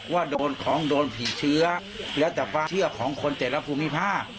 ว่าโดนของโดนผิดเชื้อแล้วแต่จะเชื่อของคนเจรภูมิพ่า